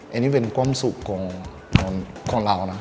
อันนี้เป็นความสุขของเรานะ